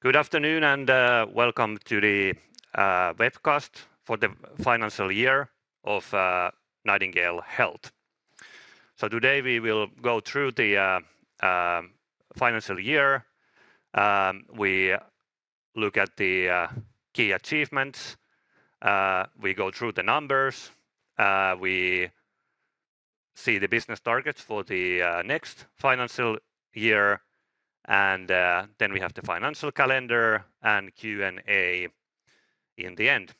Good afternoon and welcome to the webcast for the financial year of Nightingale Health. So today we will go through the financial year. We look at the key achievements, we go through the numbers, we see the business targets for the next financial year, and then we have the financial calendar and Q&A in the end.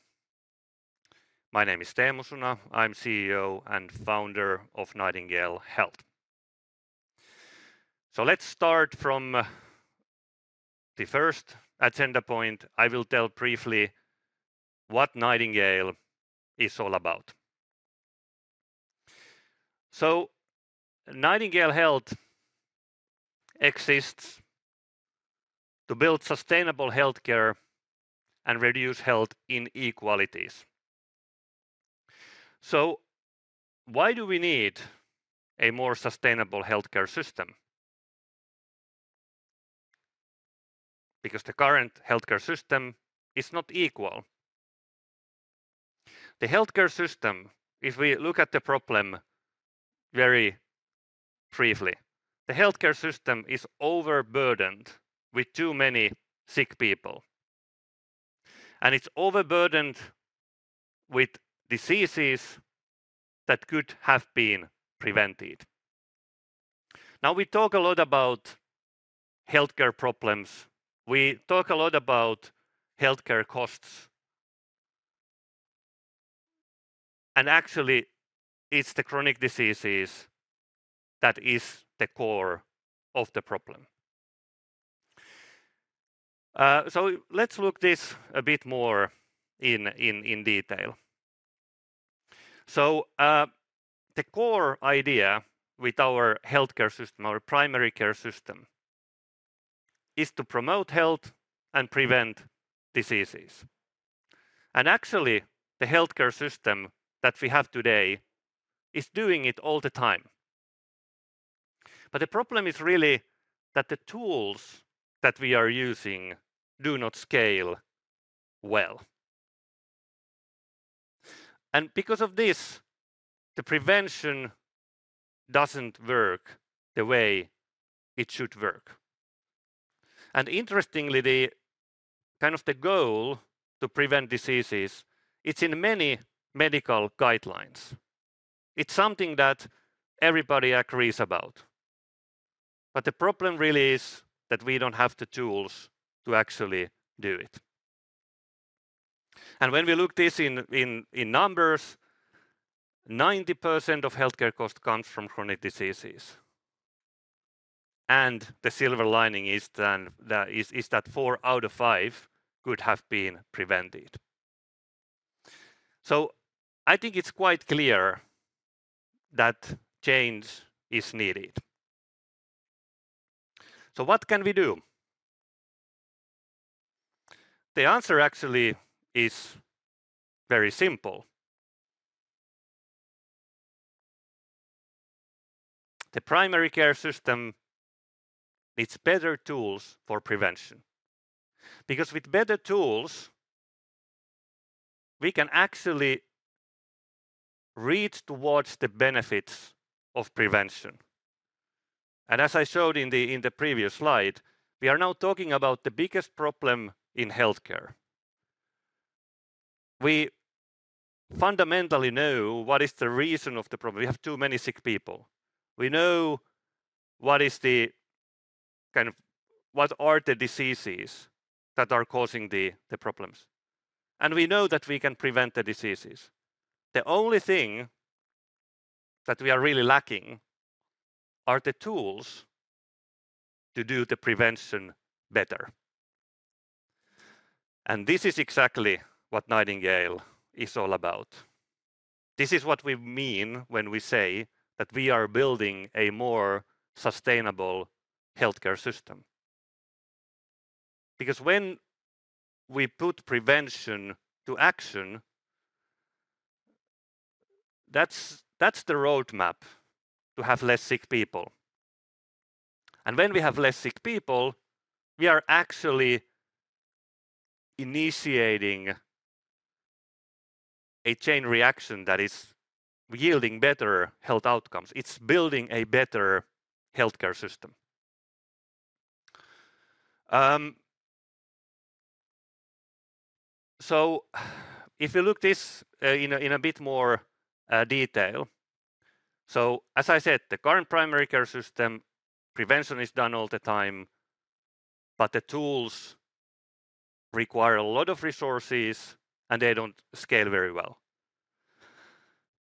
My name is Teemu Suna. I'm CEO and founder of Nightingale Health. So let's start from the first agenda point. I will tell briefly what Nightingale is all about. So Nightingale Health exists to build sustainable healthcare and reduce health inequalities. So why do we need a more sustainable healthcare system? Because the current healthcare system is not equal. The healthcare system, if we look at the problem very briefly, the healthcare system is overburdened with too many sick people, and it's overburdened with diseases that could have been prevented. Now, we talk a lot about healthcare problems, we talk a lot about healthcare costs, and actually, it's the chronic diseases that is the core of the problem. So, let's look this a bit more in detail. So, the core idea with our healthcare system, our primary care system, is to promote health and prevent diseases. And actually, the healthcare system that we have today is doing it all the time. But the problem is really that the tools that we are using do not scale well. And because of this, the prevention doesn't work the way it should work. And interestingly, the kind of the goal to prevent diseases, it's in many medical guidelines. It's something that everybody agrees about, but the problem really is that we don't have the tools to actually do it. And when we look at this in numbers, 90% of healthcare cost comes from chronic diseases. And the silver lining is that four out of five could have been prevented. So I think it's quite clear that change is needed. So what can we do? The answer actually is very simple. The primary care system needs better tools for prevention, because with better tools, we can actually reach towards the benefits of prevention. And as I showed in the previous slide, we are now talking about the biggest problem in healthcare. We fundamentally know what is the reason of the problem. We have too many sick people. We know what are the diseases that are causing the problems, and we know that we can prevent the diseases. The only thing that we are really lacking are the tools to do the prevention better. And this is exactly what Nightingale is all about. This is what we mean when we say that we are building a more sustainable healthcare system. Because when we put prevention to action, that's the roadmap to have less sick people. And when we have less sick people, we are actually initiating a chain reaction that is yielding better health outcomes. It's building a better healthcare system. If you look at this in a bit more detail, as I said, the current primary care system. Prevention is done all the time, but the tools require a lot of resources, and they don't scale very well.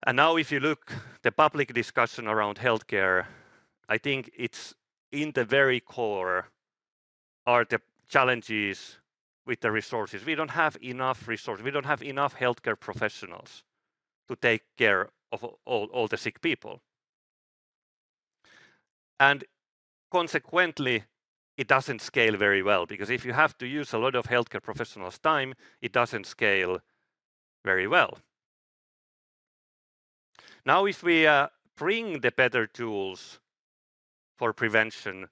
Now, if you look at the public discussion around healthcare, I think it's in the very core are the challenges with the resources. We don't have enough resources. We don't have enough healthcare professionals to take care of all the sick people. Consequently, it doesn't scale very well, because if you have to use a lot of healthcare professionals' time, it doesn't scale very well. Now, if we bring the better tools for prevention,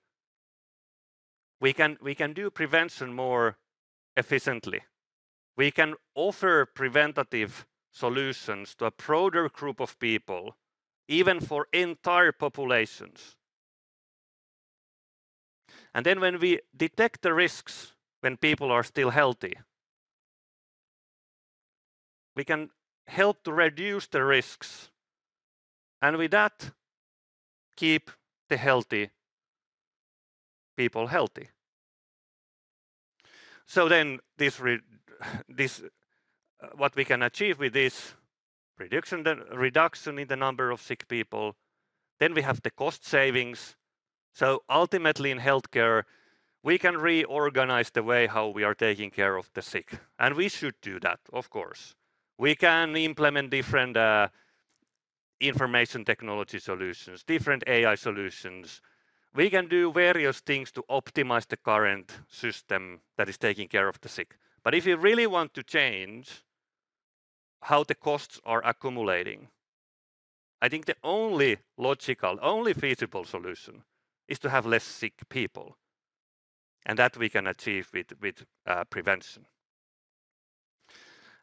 we can do prevention more efficiently. We can offer preventive solutions to a broader group of people, even for entire populations. And then when we detect the risks, when people are still healthy, we can help to reduce the risks, and with that, keep the healthy people healthy. So then this, what we can achieve with this reduction, the reduction in the number of sick people, then we have the cost savings. So ultimately, in healthcare, we can reorganize the way how we are taking care of the sick, and we should do that, of course. We can implement different information technology solutions, different AI solutions. We can do various things to optimize the current system that is taking care of the sick. But if you really want to change how the costs are accumulating, I think the only logical, only feasible solution is to have less sick people, and that we can achieve with prevention.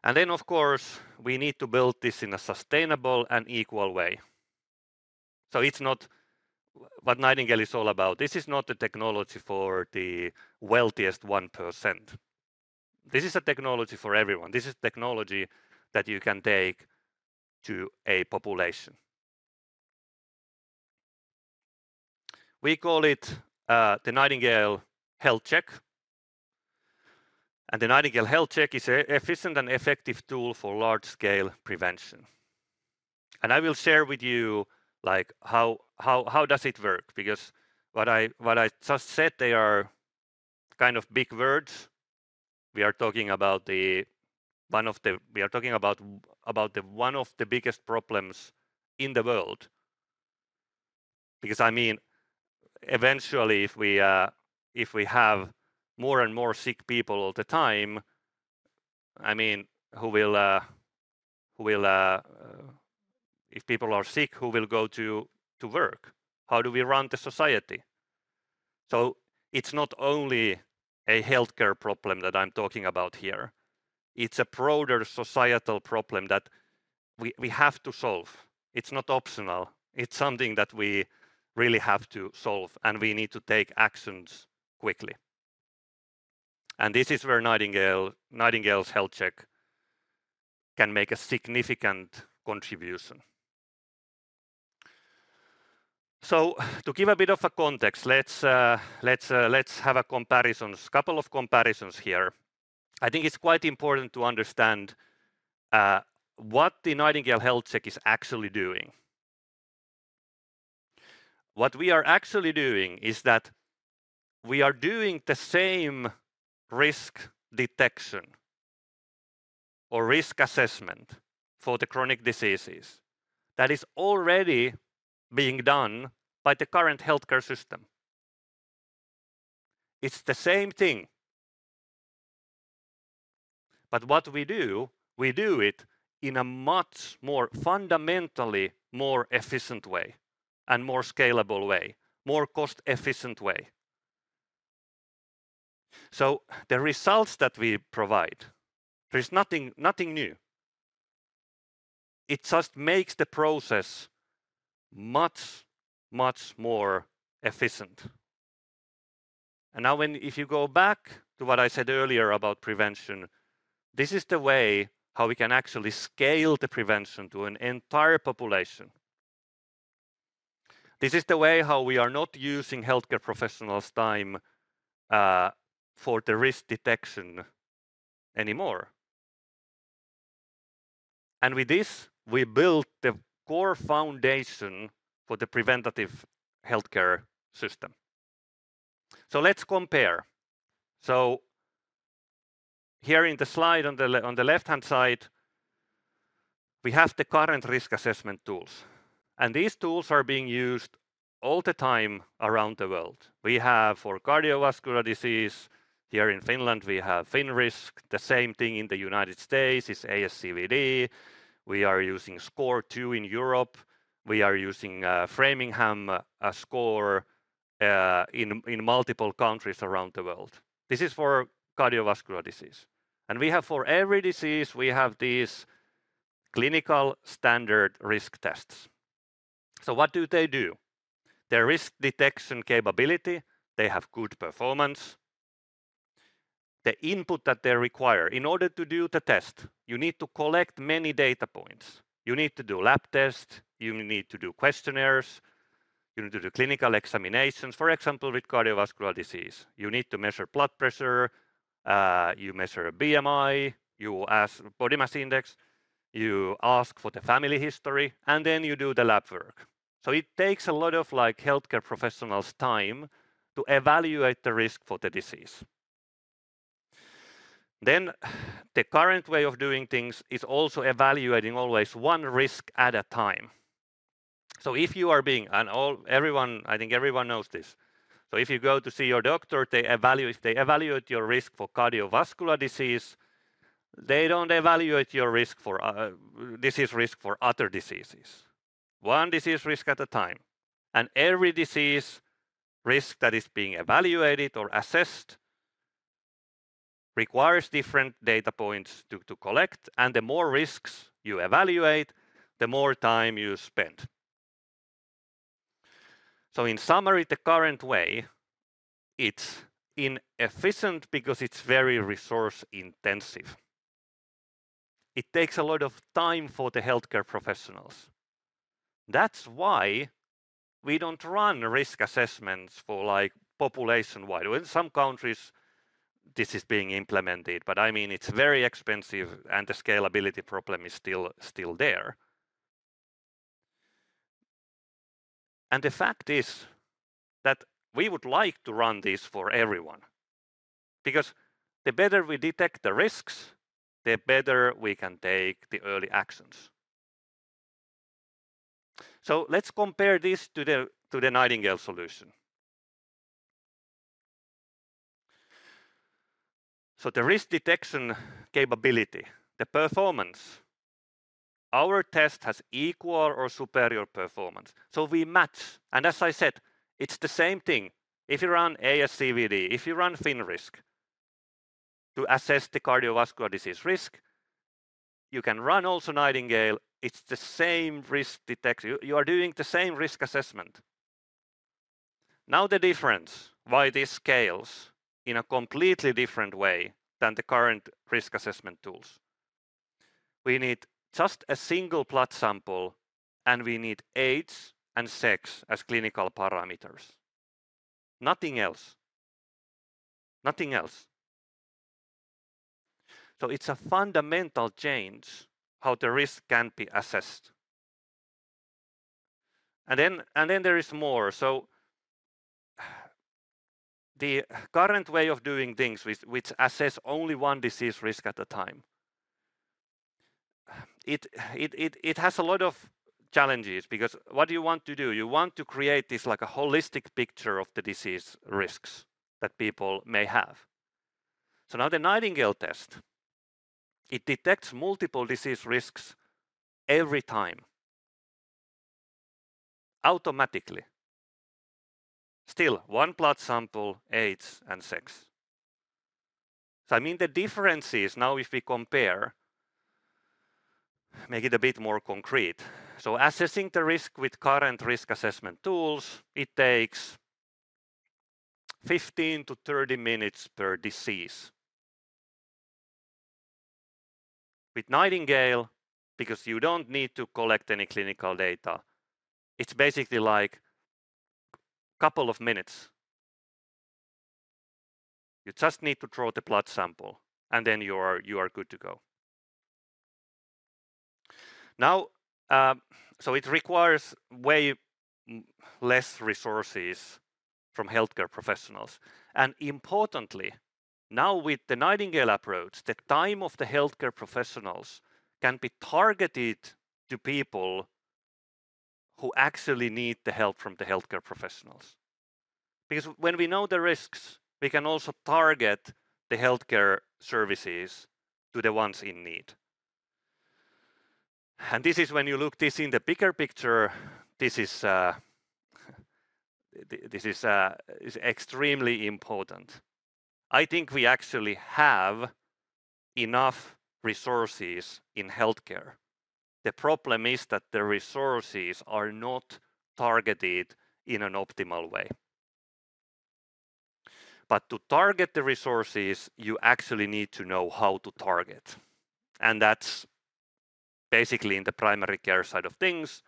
And then, of course, we need to build this in a sustainable and equal way. So it's not what Nightingale is all about. This is not the technology for the wealthiest one percent. This is a technology for everyone. This is technology that you can take to a population. We call it the Nightingale Health Check, and the Nightingale Health Check is a efficient and effective tool for large-scale prevention. And I will share with you, like, how does it work? Because what I just said, they are kind of big words. We are talking about one of the biggest problems in the world. Because, I mean, eventually, if we have more and more sick people all the time, I mean, who will... If people are sick, who will go to work? How do we run the society? So it's not only a healthcare problem that I'm talking about here. It's a broader societal problem that we have to solve. It's not optional. It's something that we really have to solve, and we need to take actions quickly. And this is where Nightingale Health Check can make a significant contribution. So to give a bit of a context, let's have a couple of comparisons here. I think it's quite important to understand what the Nightingale Health Check is actually doing. What we are actually doing is that we are doing the same risk detection or risk assessment for the chronic diseases that is already being done by the current healthcare system. It's the same thing. But what we do, we do it in a much more fundamentally more efficient way and more scalable way, more cost-efficient way. So the results that we provide, there is nothing, nothing new. It just makes the process much, much more efficient. And now, when, if you go back to what I said earlier about prevention, this is the way how we can actually scale the prevention to an entire population. This is the way how we are not using healthcare professionals' time for the risk detection anymore. And with this, we built the core foundation for the preventative healthcare system. So let's compare. So here in the slide on the left-hand side, we have the current risk assessment tools, and these tools are being used all the time around the world. We have for cardiovascular disease, here in Finland, we have FINRISK. The same thing in the United States is ASCVD. We are using SCORE2 in Europe. We are using Framingham SCORE in multiple countries around the world. This is for cardiovascular disease. We have for every disease, we have these clinical standard risk tests. What do they do? Their risk detection capability, they have good performance. The input that they require, in order to do the test, you need to collect many data points. You need to do lab test, you need to do questionnaires, you need to do clinical examinations. For example, with cardiovascular disease, you need to measure blood pressure, you measure BMI, you ask body mass index, you ask for the family history, and then you do the lab work. It takes a lot of, like, healthcare professionals' time to evaluate the risk for the disease. The current way of doing things is also evaluating always one risk at a time. If you are being, and all, everyone, I think everyone knows this. If you go to see your doctor, they evaluate your risk for cardiovascular disease. They don't evaluate your risk for disease risk for other diseases. One disease risk at a time, and every disease risk that is being evaluated or assessed requires different data points to collect, and the more risks you evaluate, the more time you spend. In summary, the current way, it's inefficient because it's very resource intensive. It takes a lot of time for the healthcare professionals. That's why we don't run risk assessments for, like, population-wide. In some countries, this is being implemented, but I mean, it's very expensive and the scalability problem is still there. The fact is that we would like to run this for everyone, because the better we detect the risks, the better we can take the early actions. Let's compare this to the Nightingale solution. The risk detection capability, the performance. Our test has equal or superior performance, so we match. And as I said, it's the same thing. If you run ASCVD, if you run FINRISK to assess the cardiovascular disease risk, you can run also Nightingale. It's the same risk detection. You are doing the same risk assessment. Now, the difference why this scales in a completely different way than the current risk assessment tools: we need just a single blood sample, and we need age and sex as clinical parameters. Nothing else. Nothing else. It's a fundamental change how the risk can be assessed. And then, and then there is more. So, the current way of doing things, which assess only one disease risk at a time, it has a lot of challenges because what do you want to do? You want to create this, like, a holistic picture of the disease risks that people may have. So now, the Nightingale test, it detects multiple disease risks every time, automatically. Still, one blood sample, age, and sex. So, I mean, the difference is, now, if we compare, make it a bit more concrete. So assessing the risk with current risk assessment tools, it takes 15 to 30 minutes per disease. With Nightingale, because you don't need to collect any clinical data, it's basically like couple of minutes. You just need to draw the blood sample, and then you are good to go. Now, so it requires way less resources from healthcare professionals. Importantly, now, with the Nightingale approach, the time of the healthcare professionals can be targeted to people who actually need the help from the healthcare professionals. Because when we know the risks, we can also target the healthcare services to the ones in need. And this is when you look at this in the bigger picture, this is extremely important. I think we actually have enough resources in healthcare. The problem is that the resources are not targeted in an optimal way. But to target the resources, you actually need to know how to target, and that's basically in the primary care side of things,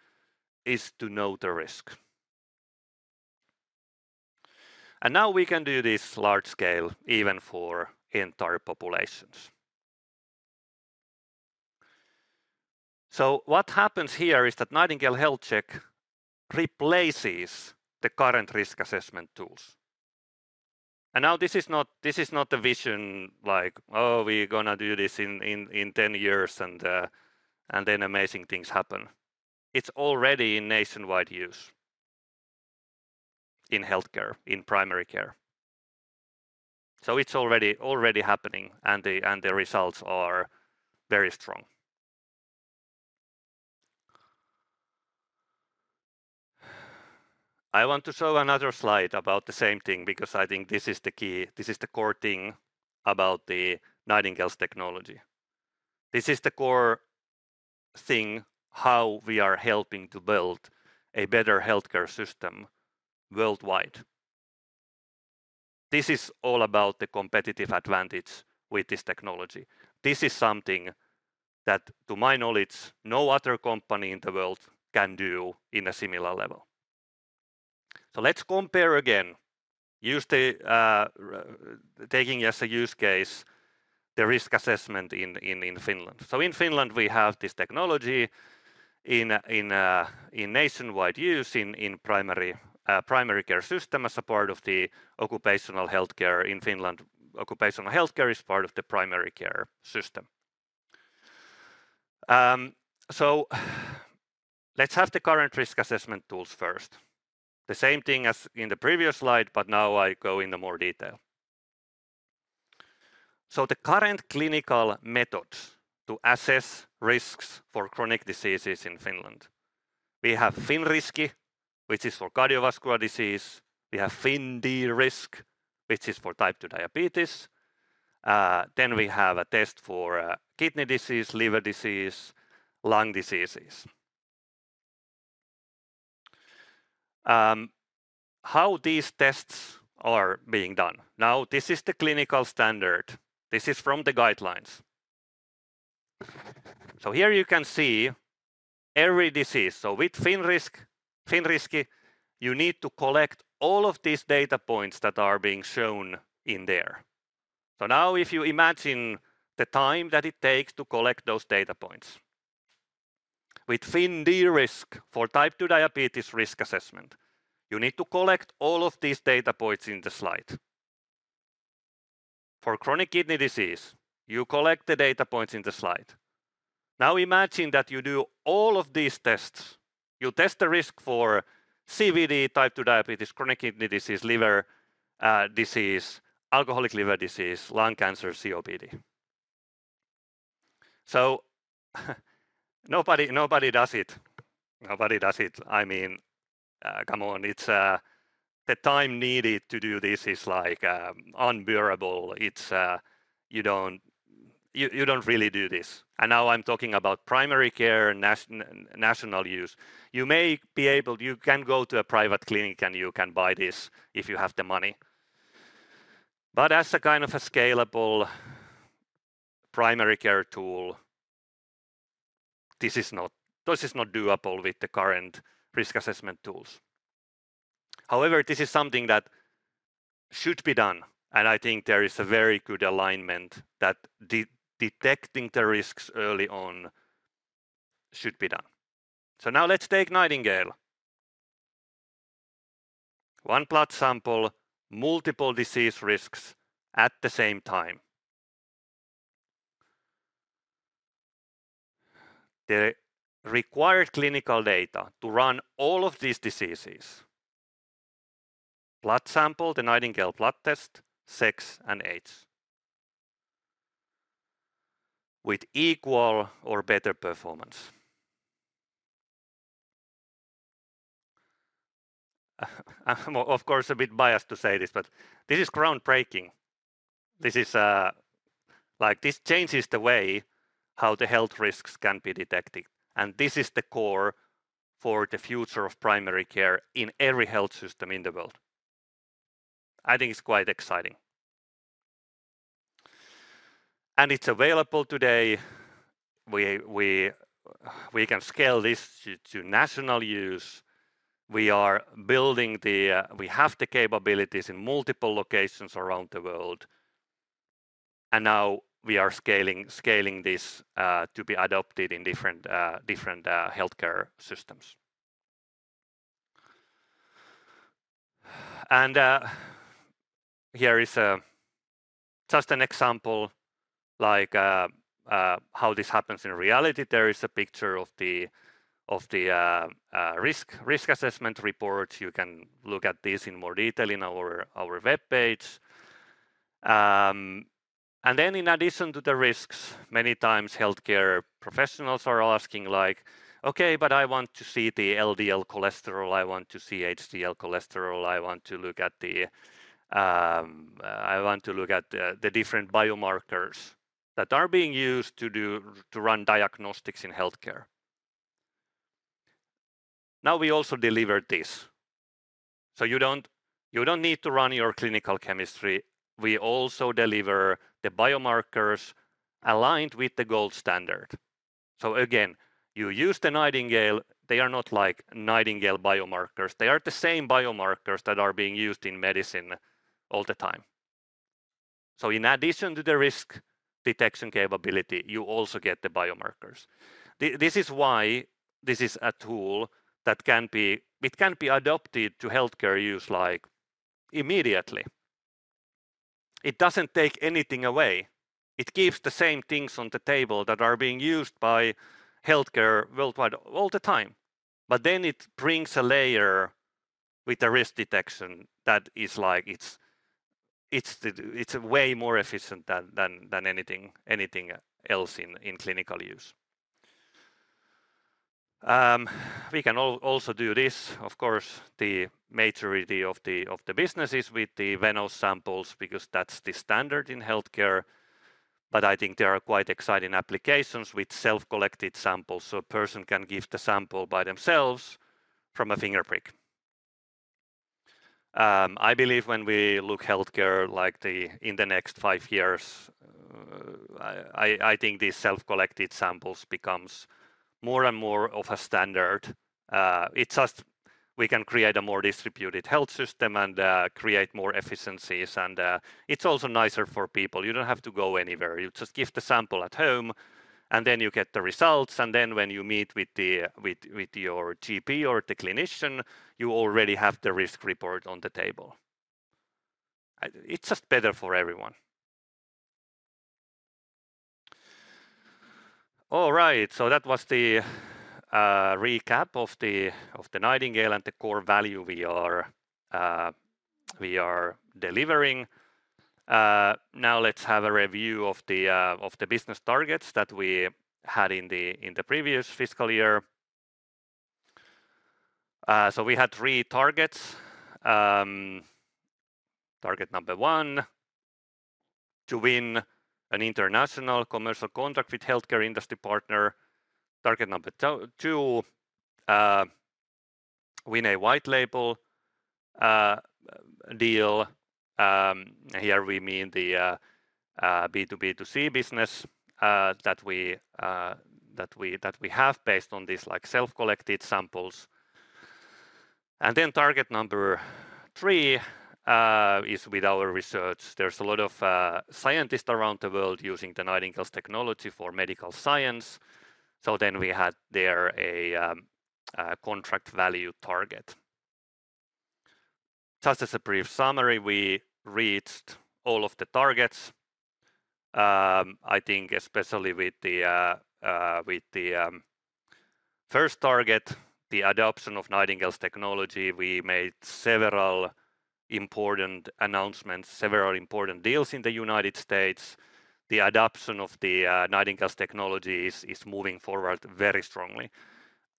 is to know the risk. And now we can do this large scale, even for entire populations. So what happens here is that Nightingale Health Check replaces the current risk assessment tools. Now this is not, this is not the vision like, "Oh, we're gonna do this in 10 years, and then amazing things happen." It's already in nationwide use in healthcare, in primary care. It's already happening, and the results are very strong. I want to show another slide about the same thing because I think this is the key, this is the core thing about the Nightingale's technology. This is the core thing, how we are helping to build a better healthcare system worldwide. This is all about the competitive advantage with this technology. This is something that, to my knowledge, no other company in the world can do in a similar level. Let's compare again, use the risk-taking as a use case, the risk assessment in Finland. So in Finland, we have this technology in a nationwide use in primary care system as a part of the occupational healthcare. In Finland, occupational healthcare is part of the primary care system. So let's have the current risk assessment tools first. The same thing as in the previous slide, but now I go into more detail. So the current clinical methods to assess risks for chronic diseases in Finland, we have FINRISK, which is for cardiovascular disease. We have FINDRISC, which is for type two diabetes. Then we have a test for kidney disease, liver disease, lung diseases. How these tests are being done? Now, this is the clinical standard. This is from the guidelines. So here you can see every disease. So with FINRISK, you need to collect all of these data points that are being shown in there. So now, if you imagine the time that it takes to collect those data points. With FINDRISC for type two diabetes risk assessment, you need to collect all of these data points in the slide. For chronic kidney disease, you collect the data points in the slide. Now, imagine that you do all of these tests. You test the risk for CVD, type two diabetes, chronic kidney disease, liver disease, alcoholic liver disease, lung cancer, COPD. So, nobody, nobody does it. Nobody does it. I mean, come on, it's... The time needed to do this is, like, unbearable. It's, you don't really do this. And now I'm talking about primary care and national use. You can go to a private clinic, and you can buy this if you have the money. But as a kind of a scalable primary care tool, this is not doable with the current risk assessment tools. However, this is something that should be done, and I think there is a very good alignment that detecting the risks early on should be done. So now let's take Nightingale. One blood sample, multiple disease risks at the same time. The required clinical data to run all of these diseases: blood sample, the Nightingale Blood Test, sex, and age, with equal or better performance. I'm of course a bit biased to say this, but this is groundbreaking. This is, like, this changes the way how the health risks can be detected, and this is the core for the future of primary care in every health system in the world. I think it's quite exciting, and it's available today. We can scale this to national use. We have the capabilities in multiple locations around the world, and now we are scaling this to be adopted in different healthcare systems, and here is just an example, like, how this happens in reality. There is a picture of the risk assessment report. You can look at this in more detail in our web page. And then in addition to the risks, many times healthcare professionals are asking like, "Okay, but I want to see the LDL cholesterol. I want to see HDL cholesterol. I want to look at the different biomarkers," that are being used to run diagnostics in healthcare. Now, we also deliver this, so you don't need to run your clinical chemistry. We also deliver the biomarkers aligned with the gold standard, so again, you use the Nightingale, they are not like Nightingale biomarkers. They are the same biomarkers that are being used in medicine all the time, so in addition to the risk detection capability, you also get the biomarkers. This is why this is a tool that can be adopted to healthcare use, like, immediately. It doesn't take anything away. It keeps the same things on the table that are being used by healthcare worldwide all the time. But then it brings a layer with the risk detection that is like. It's way more efficient than anything else in clinical use. We can also do this. Of course, the majority of the business is with the venous samples, because that's the standard in healthcare, but I think there are quite exciting applications with self-collected samples, so a person can give the sample by themselves from a finger prick. I believe when we look healthcare, like the, in the next five years, I think these self-collected samples becomes more and more of a standard. It's just we can create a more distributed health system and create more efficiencies, and it's also nicer for people. You don't have to go anywhere. You just give the sample at home, and then you get the results, and then when you meet with your GP or the clinician, you already have the risk report on the table. It's just better for everyone. All right, so that was the recap of the Nightingale and the core value we are delivering. Now let's have a review of the business targets that we had in the previous fiscal year. So we had three targets. Target number one, to win an international commercial contract with healthcare industry partner. Target number two, win a white label deal. Here we mean the B2B2C business that we have based on these, like, self-collected samples. And then target number three is with our research. There's a lot of scientists around the world using the Nightingale's technology for medical science. So then we had there a contract value target. Just as a brief summary, we reached all of the targets. I think especially with the first target, the adoption of Nightingale's technology, we made several important announcements, several important deals in the United States. The adoption of the Nightingale's technology is moving forward very strongly.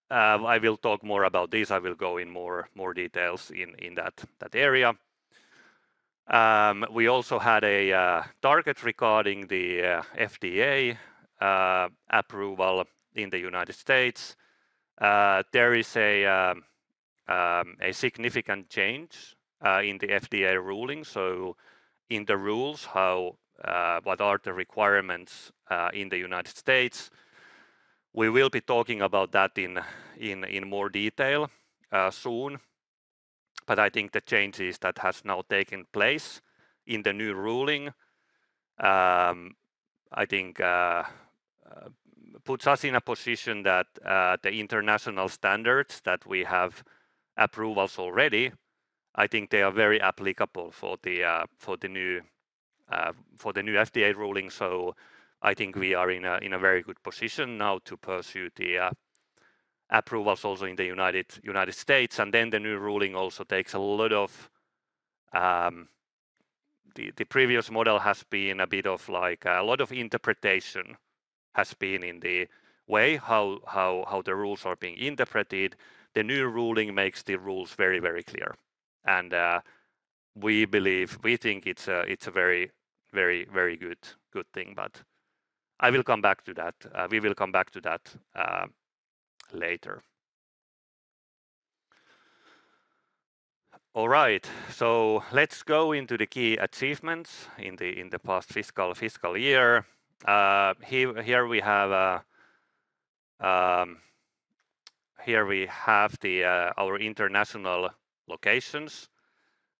I will talk more about this. I will go in more details in that area. We also had a target regarding the FDA approval in the United States. There is a significant change in the FDA ruling, so in the rules, how... What are the requirements in the United States? We will be talking about that in more detail soon. But I think the changes that has now taken place in the new ruling, I think, puts us in a position that, the international standards that we have approvals already, I think they are very applicable for the, for the new, for the new FDA ruling. So I think we are in a very good position now to pursue the approvals also in the United States. And then the new ruling also takes a lot of... The previous model has been a bit of, like, a lot of interpretation has been in the way, how the rules are being interpreted. The new ruling makes the rules very, very clear, and we believe we think it's a very, very, very good, good thing, but I will come back to that. We will come back to that later. All right, so let's go into the key achievements in the past fiscal year. Here we have our international locations.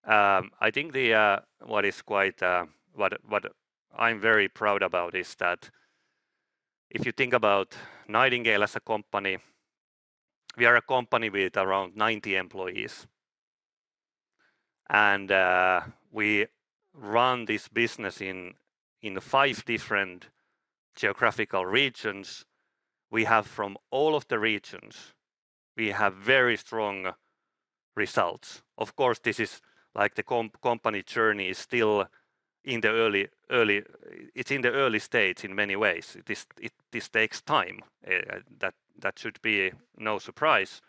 I think what I'm very proud about is that if you think about Nightingale as a company, we are a company with around 90 employees, and we run this business in 5 different geographical regions. We have from all of the regions, we have very strong results. Of course, this is, like, the company journey is still in the early, early... It's in the early stage in many ways. This takes time. That should be no surprise.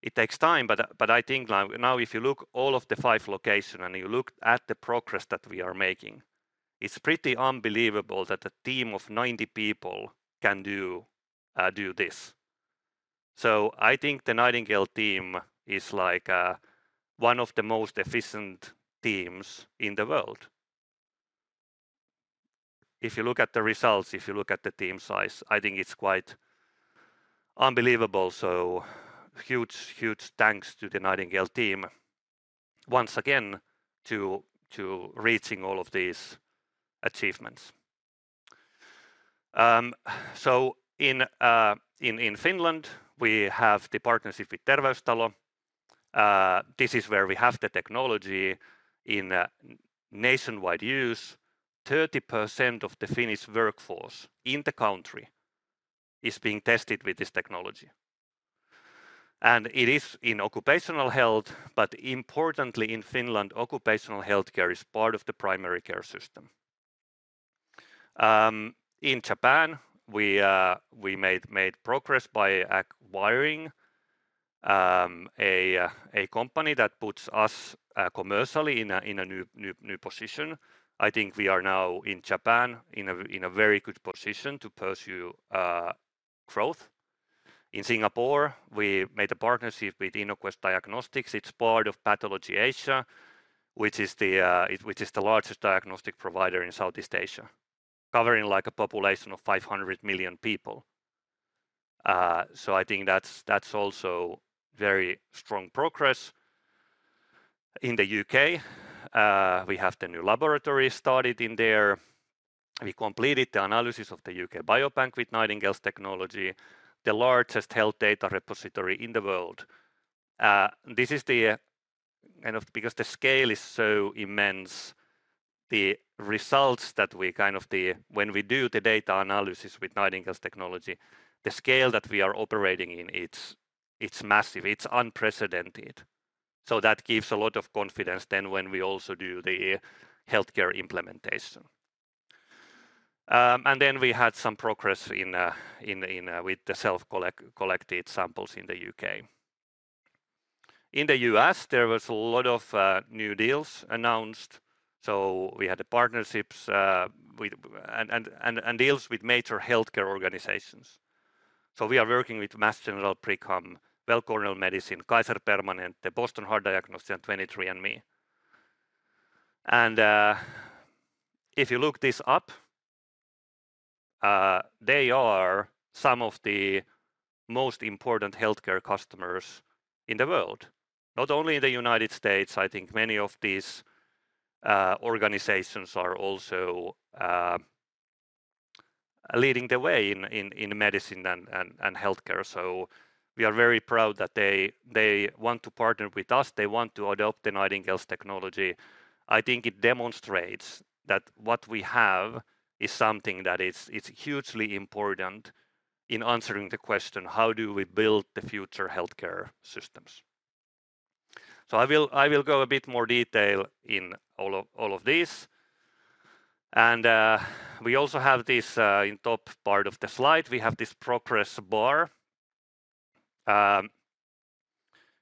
It takes time, but I think, like, now if you look all of the five location, and you look at the progress that we are making, it's pretty unbelievable that a team of 90 people can do this. So I think the Nightingale team is, like, one of the most efficient teams in the world. If you look at the results, if you look at the team size, I think it's quite unbelievable. So huge, huge thanks to the Nightingale team once again to reaching all of these achievements. So in Finland, we have the partnership with Terveystalo. This is where we have the technology in a nationwide use. 30% of the Finnish workforce in the country is being tested with this technology, and it is in occupational health, but importantly, in Finland, occupational healthcare is part of the primary care system. In Japan, we made progress by acquiring a company that puts us commercially in a new position. I think we are now in Japan in a very good position to pursue growth. In Singapore, we made a partnership with Innoquest Diagnostics. It's part of Pathology Asia, which is the largest diagnostic provider in Southeast Asia, covering a population of 500 million people. So I think that's also very strong progress. In the U.K., we have the new laboratory started there. We completed the analysis of the UK Biobank with Nightingale's technology, the largest health data repository in the world. This is the kind of because the scale is so immense, the results that we kind of when we do the data analysis with Nightingale's technology, the scale that we are operating in, it's massive, it's unprecedented. So that gives a lot of confidence then when we also do the healthcare implementation. And then we had some progress in with the self-collected samples in the UK. In the US, there was a lot of new deals announced, so we had the partnerships with and deals with major healthcare organizations. So we are working with Mass General Brigham, Weill Cornell Medicine, Kaiser Permanente, the Boston Heart Diagnostics, and 23andMe. If you look this up, they are some of the most important healthcare customers in the world. Not only in the United States, I think many of these organizations are also leading the way in medicine and healthcare. We are very proud that they want to partner with us, they want to adopt the Nightingale's technology. I think it demonstrates that what we have is something that is hugely important in answering the question: how do we build the future healthcare systems? I will go a bit more detail in all of these. We also have this in top part of the slide, we have this progress bar.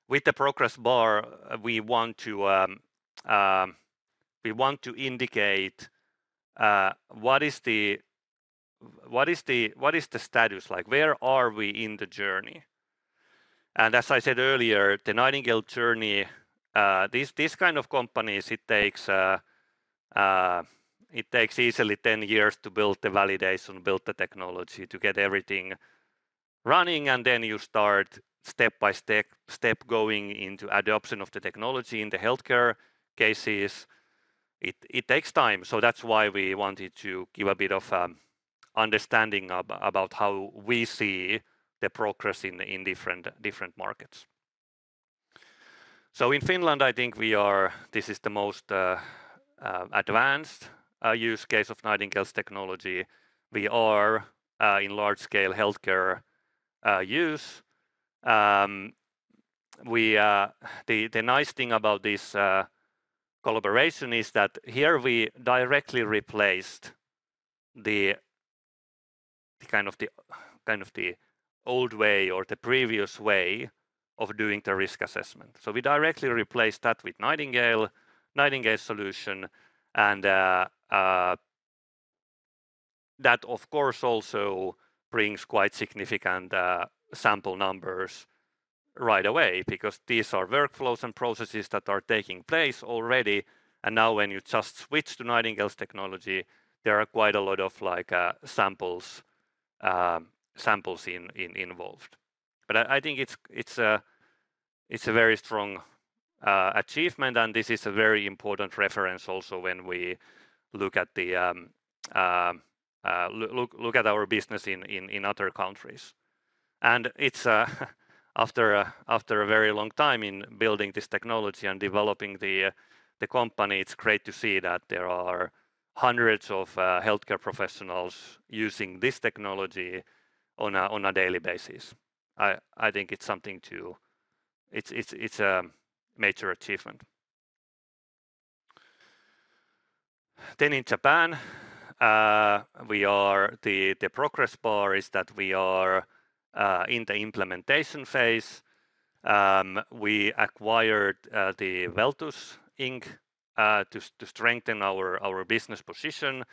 With the progress bar, we want to indicate what is the... What is the status like? Where are we in the journey? And as I said earlier, the Nightingale journey, these kind of companies, it takes easily 10 years to build the validation, build the technology, to get everything running, and then you start step by step going into adoption of the technology. In the healthcare cases, it takes time. So that's why we wanted to give a bit of understanding about how we see the progress in different markets. So in Finland, I think we are. This is the most advanced use case of Nightingale's technology. We are in large-scale healthcare use. The nice thing about this collaboration is that here we directly replaced the kind of old way or the previous way of doing the risk assessment. So we directly replaced that with Nightingale solution, and that of course also brings quite significant sample numbers right away, because these are workflows and processes that are taking place already, and now when you just switch to Nightingale's technology, there are quite a lot of like samples involved. But I think it's a very strong achievement, and this is a very important reference also when we look at our business in other countries. And it's after a very long time in building this technology and developing the company, it's great to see that there are hundreds of healthcare professionals using this technology on a daily basis. I think it's something to... It's a major achievement. Then in Japan, we are, the progress bar is that we are in the implementation phase. We acquired the Welltus Inc. to strengthen our business position.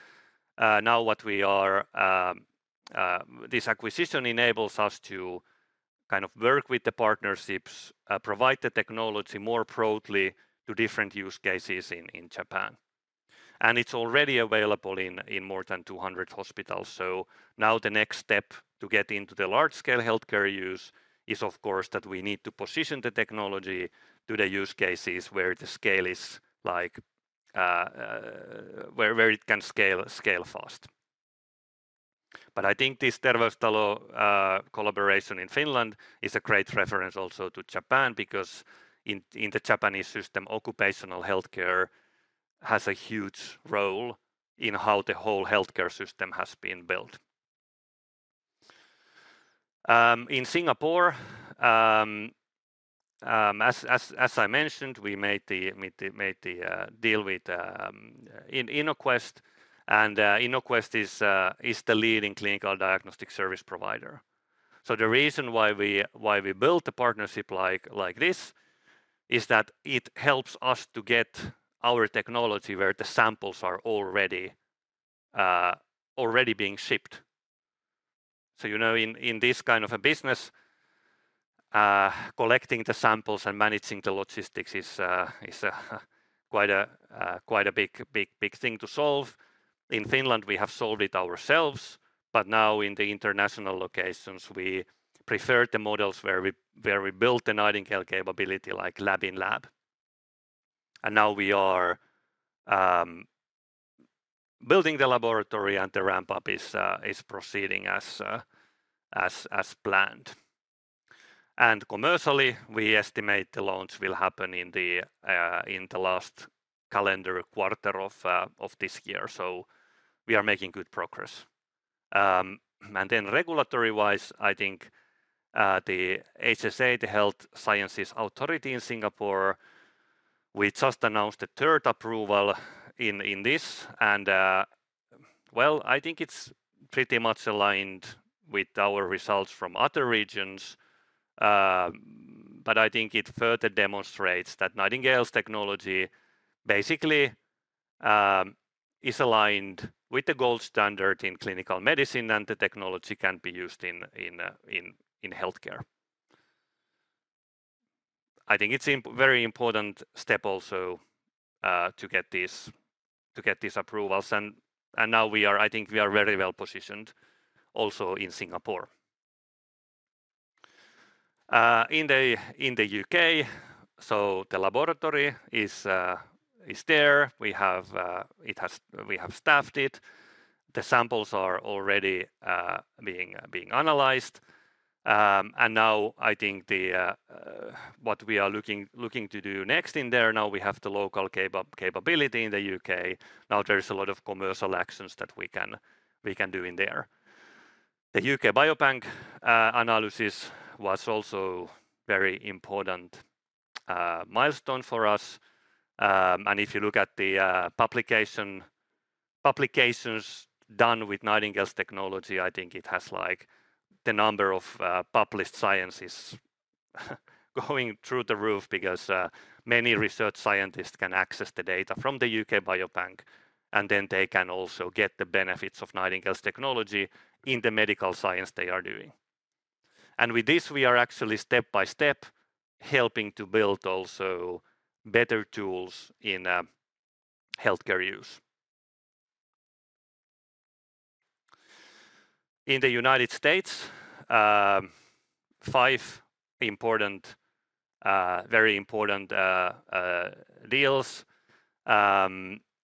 Now what we are, this acquisition enables us to kind of work with the partnerships, provide the technology more broadly to different use cases in Japan. And it's already available in more than two hundred hospitals. So now the next step to get into the large-scale healthcare use is, of course, that we need to position the technology to the use cases where the scale is like, where it can scale fast. But I think this Terveystalo collaboration in Finland is a great reference also to Japan, because in the Japanese system, occupational healthcare has a huge role in how the whole healthcare system has been built. In Singapore, as I mentioned, we made the deal with Innoquest, and Innoquest is the leading clinical diagnostic service provider. So the reason why we built a partnership like this is that it helps us to get our technology where the samples are already being shipped. You know, in this kind of a business, collecting the samples and managing the logistics is quite a big thing to solve. In Finland, we have solved it ourselves, but now in the international locations, we prefer the models where we built the Nightingale capability, like lab in lab, and now we are building the laboratory, and the ramp up is proceeding as planned. Commercially, we estimate the launch will happen in the last calendar quarter of this year, so we are making good progress. Regulatory-wise, I think the HSA, the Health Sciences Authority in Singapore, we just announced a third approval in this, and well, I think it's pretty much aligned with our results from other regions. But I think it further demonstrates that Nightingale's technology basically is aligned with the gold standard in clinical medicine, and the technology can be used in healthcare. I think it's very important step also to get these approvals and now we are. I think we are very well positioned also in Singapore. In the UK, so the laboratory is there. We have staffed it. The samples are already being analyzed. And now I think what we are looking to do next in there, now we have the local capability in the UK. Now there is a lot of commercial actions that we can do in there. The UK Biobank analysis was also very important milestone for us, and if you look at the publication, publications done with Nightingale's technology, I think it has, like, the number of published sciences going through the roof because many research scientists can access the data from the UK Biobank, and then they can also get the benefits of Nightingale's technology in the medical science they are doing, and with this, we are actually step by step, helping to build also better tools in healthcare use. In the United States, five important, very important deals,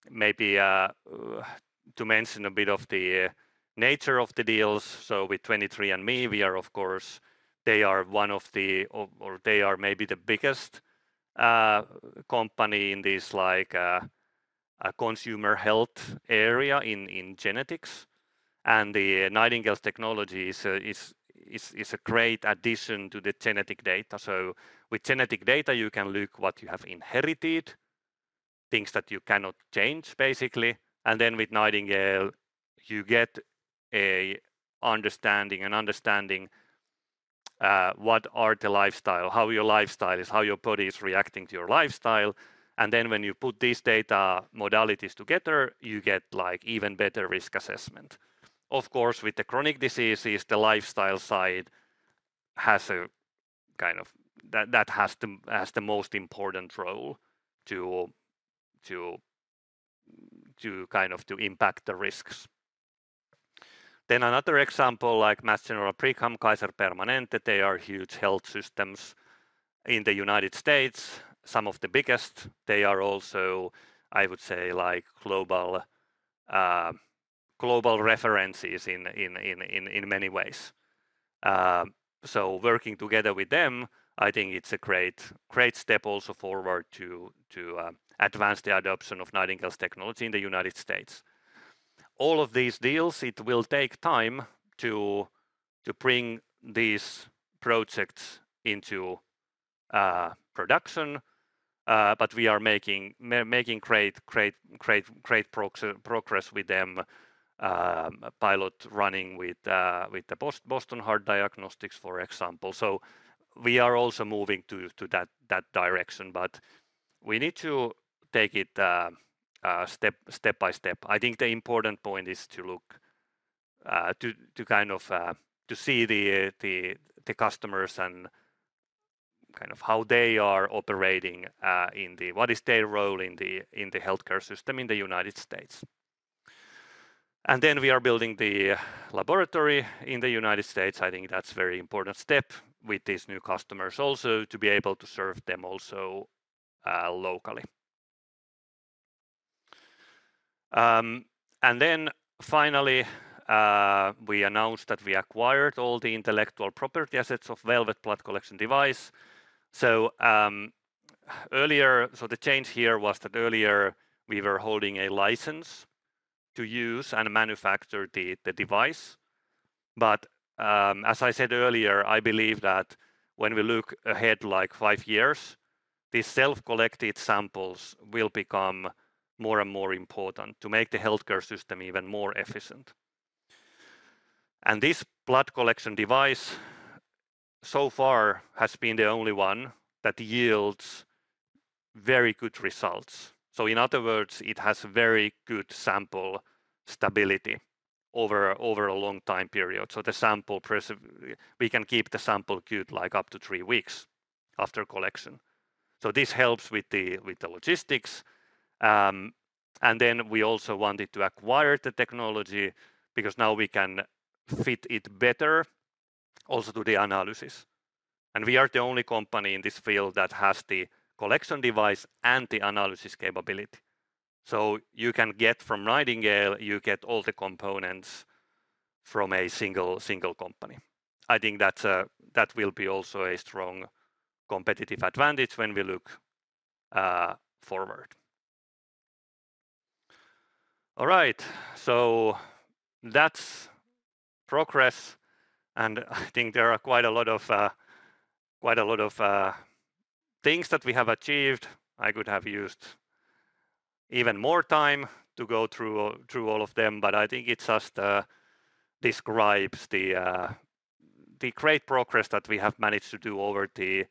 maybe to mention a bit of the nature of the deals. With 23andMe, we are of course, they are one of the, or they are maybe the biggest company in this, like, a consumer health area in genetics and Nightingale's technology is a great addition to the genetic data. With genetic data, you can look what you have inherited, things that you cannot change, basically, and then with Nightingale, you get an understanding what the lifestyle is, how your lifestyle is, how your body is reacting to your lifestyle. And then when you put these data modalities together, you get, like, even better risk assessment. Of course, with the chronic diseases, the lifestyle side has a kind of. That has the most important role to kind of impact the risks. Then another example, like Mass General Brigham, Kaiser Permanente, they are huge health systems in the United States, some of the biggest. They are also, I would say, like global references in many ways. So working together with them, I think it's a great step also forward to advance the adoption of Nightingale's technology in the United States. All of these deals, it will take time to bring these projects into production, but we are making great progress with them, pilot running with the Boston Heart Diagnostics, for example. So we are also moving to that direction, but we need to take it step by step. I think the important point is to look to kind of see the customers and kind of how they are operating in the what is their role in the healthcare system in the United States? And then we are building the laboratory in the United States. I think that's a very important step with these new customers also, to be able to serve them also locally. And then finally, we announced that we acquired all the intellectual property assets of Velvet Blood Collection Device. So earlier, the change here was that earlier we were holding a license to use and manufacture the device. As I said earlier, I believe that when we look ahead, like five years, these self-collected samples will become more and more important to make the healthcare system even more efficient. This blood collection device, so far, has been the only one that yields very good results. In other words, it has very good sample stability over a long time period. We can keep the sample good, like up to three weeks after collection. This helps with the logistics. Then we also wanted to acquire the technology because now we can fit it better. We also do the analysis. We are the only company in this field that has the collection device and the analysis capability. You can get from Nightingale all the components from a single company. I think that's that will be also a strong competitive advantage when we look forward. All right, so that's progress, and I think there are quite a lot of things that we have achieved. I could have used even more time to go through all of them, but I think it just describes the great progress that we have managed to do over the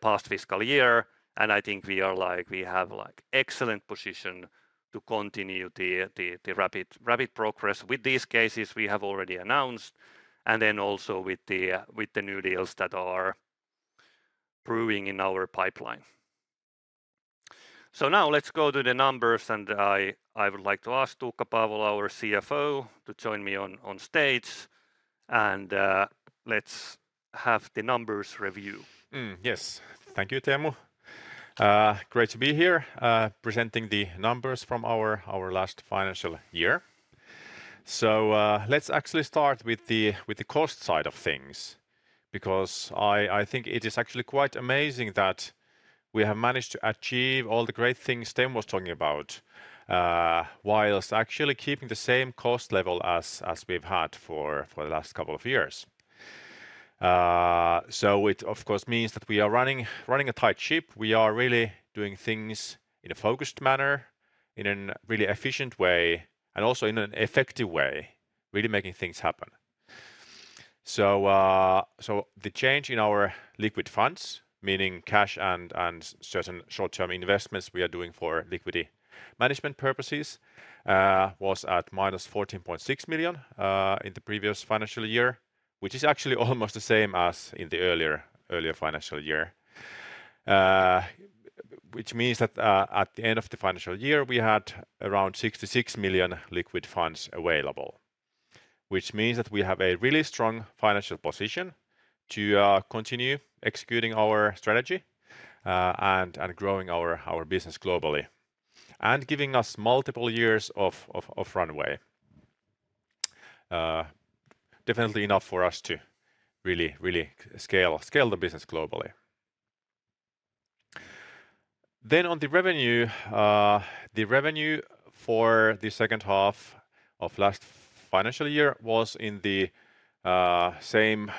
past fiscal year, and I think we are like we have, like, excellent position to continue the rapid progress with these cases we have already announced, and then also with the new deals that are brewing in our pipeline. So now let's go to the numbers, and I would like to ask Tuukka Paavola, our CFO, to join me on stage, and let's have the numbers review. Yes. Thank you, Teemu. Great to be here, presenting the numbers from our last financial year. So, let's actually start with the cost side of things, because I think it is actually quite amazing that we have managed to achieve all the great things Teemu was talking about, while actually keeping the same cost level as we've had for the last couple of years. So it, of course, means that we are running a tight ship. We are really doing things in a focused manner, in a really efficient way, and also in an effective way, really making things happen. The change in our liquid funds, meaning cash and certain short-term investments we are doing for liquidity management purposes, was -14.6 million in the previous financial year, which is actually almost the same as in the earlier financial year. Which means that at the end of the financial year, we had around 66 million liquid funds available, which means that we have a really strong financial position to continue executing our strategy and growing our business globally, and giving us multiple years of runway. Definitely enough for us to really scale the business globally. Then on the revenue, the revenue for the second half of last financial year was in the same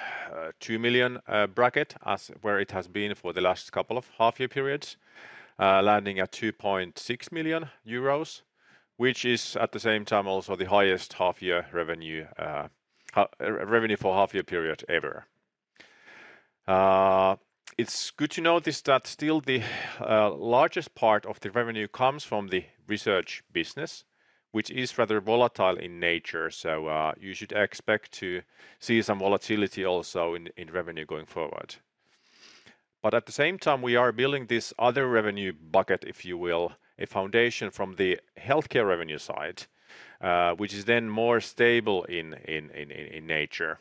two million bracket as where it has been for the last couple of half year periods. Landing at 2.6 million euros, which is at the same time also the highest half year revenue for half year period ever. It's good to notice that still the largest part of the revenue comes from the research business, which is rather volatile in nature, so you should expect to see some volatility also in revenue going forward. But at the same time, we are building this other revenue bucket, if you will, a foundation from the healthcare revenue side, which is then more stable in nature.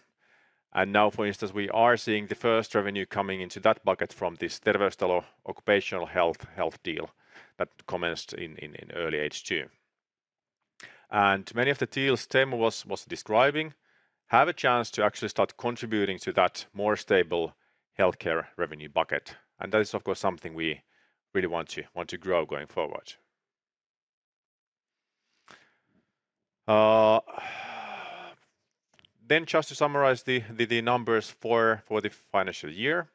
Now, for instance, we are seeing the first revenue coming into that bucket from this Terveystalo occupational health deal that commenced in early H2. Many of the deals Teemu was describing have a chance to actually start contributing to that more stable healthcare revenue bucket, and that is, of course, something we really want to grow going forward. Just to summarize the numbers for the financial year.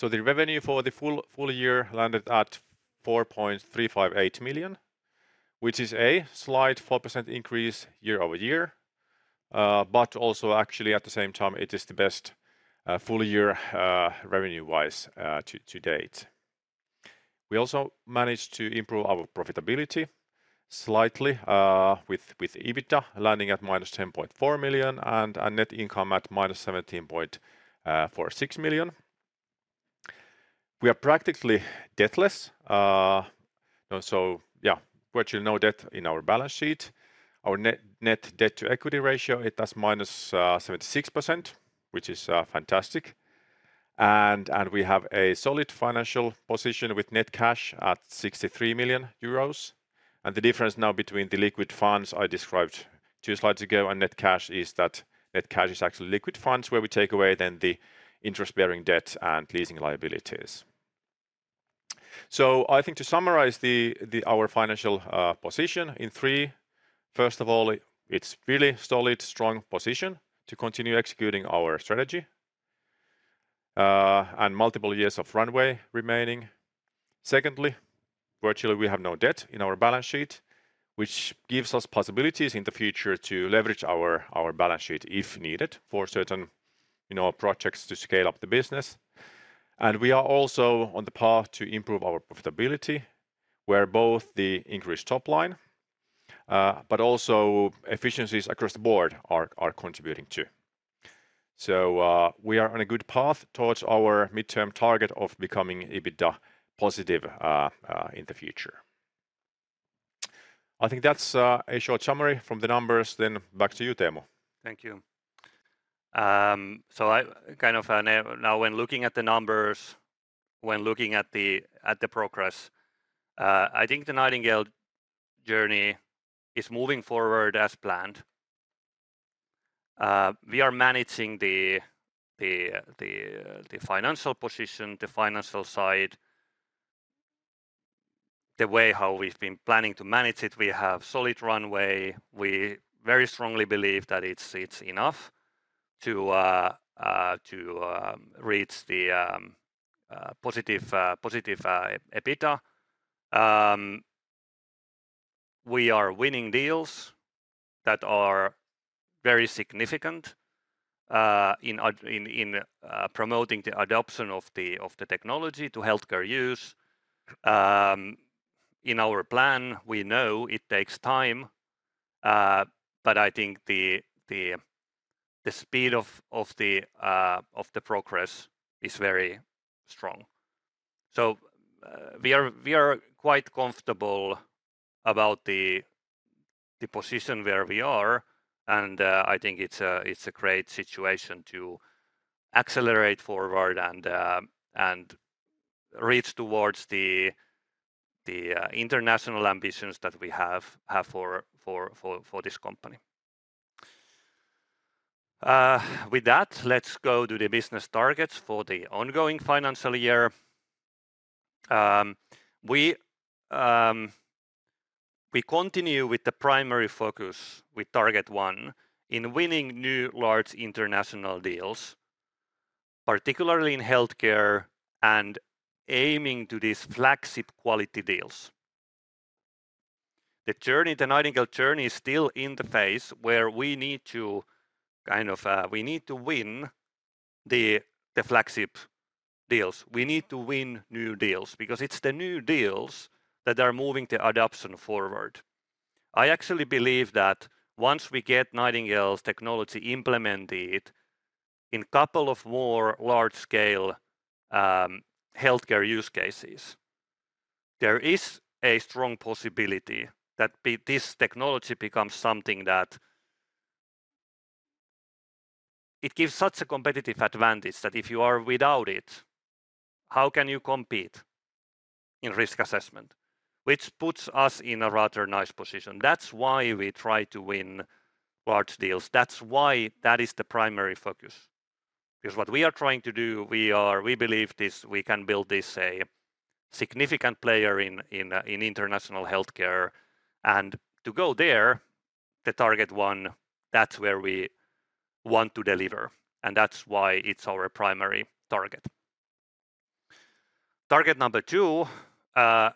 The revenue for the full year landed at 4.358 million, which is a slight 4% increase year over year, but also actually, at the same time, it is the best full year revenue-wise to date. We also managed to improve our profitability slightly with EBITDA landing at -10.4 million and net income at -17.46 million. We are practically debtless. So yeah, virtually no debt in our balance sheet. Our net debt to equity ratio is minus 76%, which is fantastic. We have a solid financial position with net cash at 63 million euros. The difference now between the liquid funds I described two slides ago and net cash is that net cash is actually liquid funds, where we take away then the interest-bearing debt and leasing liabilities. So I think to summarize our financial position in three: First of all, it's really solid, strong position to continue executing our strategy and multiple years of runway remaining. Secondly, virtually, we have no debt in our balance sheet, which gives us possibilities in the future to leverage our balance sheet, if needed, for certain, you know, projects to scale up the business. And we are also on the path to improve our profitability, where both the increased top line, but also efficiencies across the board are contributing, too. So, we are on a good path towards our midterm target of becoming EBITDA positive in the future. I think that's a short summary from the numbers. Then back to you, Teemu. Thank you. So I kind of now when looking at the numbers, when looking at the progress, I think the Nightingale journey is moving forward as planned. We are managing the financial position, the financial side, the way how we've been planning to manage it. We have solid runway. We very strongly believe that it's enough to reach the positive EBITDA. We are winning deals that are very significant in promoting the adoption of the technology to healthcare use. In our plan, we know it takes time, but I think the speed of the progress is very strong. So, we are quite comfortable about the position where we are, and I think it's a great situation to accelerate forward and reach towards the international ambitions that we have for this company. With that, let's go to the business targets for the ongoing financial year. We continue with the primary focus with target one in winning new large international deals, particularly in healthcare and aiming to these flagship quality deals. The journey, the Nightingale journey is still in the phase where we need to kind of win the flagship deals. We need to win new deals, because it's the new deals that are moving the adoption forward. I actually believe that once we get Nightingale's technology implemented in couple of more large scale, healthcare use cases, there is a strong possibility that this technology becomes something that... It gives such a competitive advantage that if you are without it, how can you compete in risk assessment? Which puts us in a rather nice position. That's why we try to win large deals. That's why that is the primary focus. Because what we are trying to do, we believe this, we can build this a significant player in international healthcare, and to go there, the target one, that's where we want to deliver, and that's why it's our primary target. Target number two,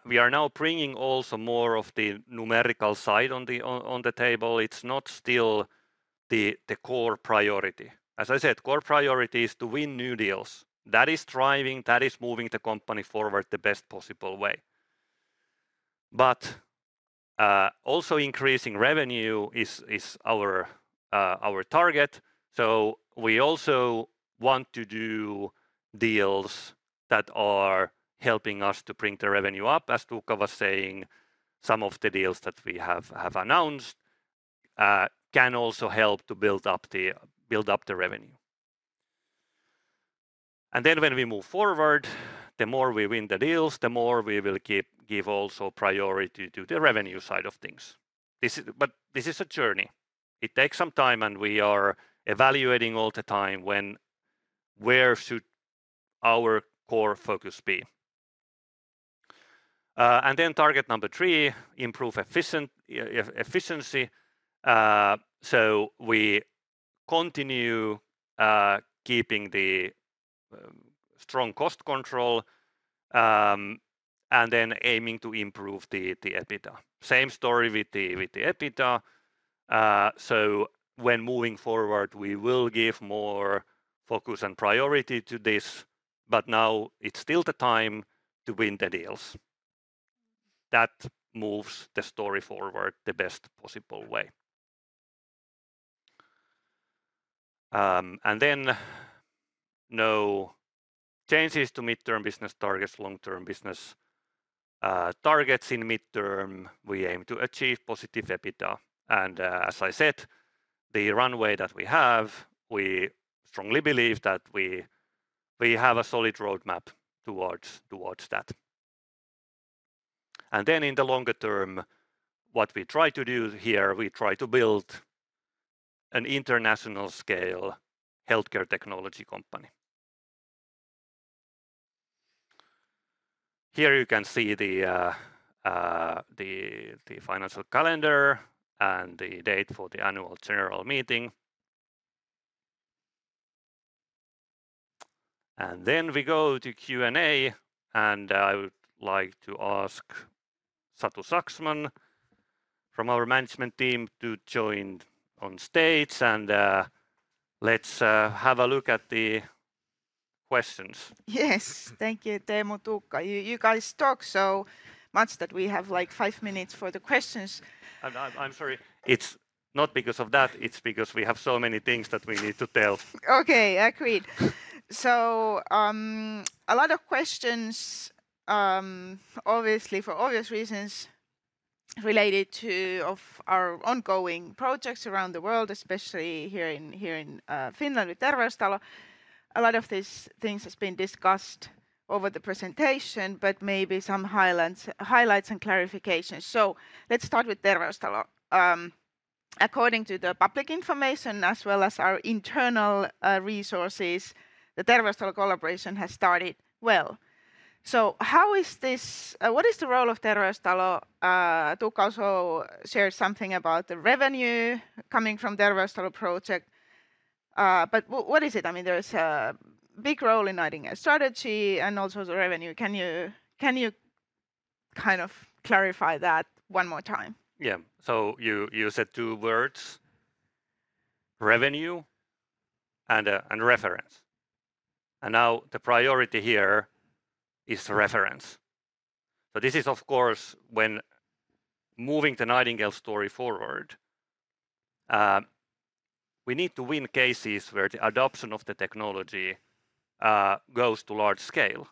we are now bringing also more of the numerical side on the table. It's not still the core priority. As I said, core priority is to win new deals. That is driving, that is moving the company forward the best possible way. But also increasing revenue is our target, so we also want to do deals that are helping us to bring the revenue up. As Tuukka was saying, some of the deals that we have announced can also help to build up the revenue. And then when we move forward, the more we win the deals, the more we will give also priority to the revenue side of things. But this is a journey. It takes some time, and we are evaluating all the time when where should our core focus be. And then target number three: improve efficiency. So we continue keeping the strong cost control and then aiming to improve the EBITDA. Same story with the EBITDA. So when moving forward, we will give more focus and priority to this, but now it's still the time to win the deals. That moves the story forward the best possible way. And then no changes to midterm business targets, long-term business targets. In midterm, we aim to achieve positive EBITDA, and as I said, the runway that we have, we strongly believe that we have a solid roadmap towards that. And then in the longer term, what we try to do here, we try to build an international scale healthcare technology company. Here you can see the financial calendar and the date for the annual general meeting. And then we go to Q&A, and I would like to ask Satu Saxman from our management team to join on stage, and let's have a look at the questions. Yes. Thank you, Teemu, Tuukka. You guys talked so much that we have, like, five minutes for the questions. I'm sorry. It's not because of that, it's because we have so many things that we need to tell. Okay, agreed. So, a lot of questions, obviously for obvious reasons, related to our ongoing projects around the world, especially here in Finland with Terveystalo. A lot of these things has been discussed over the presentation, but maybe some highlights and clarifications. So let's start with Terveystalo. According to the public information, as well as our internal resources, the Terveystalo collaboration has started well. So how is this... What is the role of Terveystalo? Tuukka also shared something about the revenue coming from Terveystalo project, but what is it? I mean, there's a big role in Nightingale strategy and also the revenue. Can you kind of clarify that one more time? Yeah. So you said two words: revenue and reference, and now the priority here is reference. So this is of course, when moving the Nightingale story forward, we need to win cases where the adoption of the technology goes to large scale.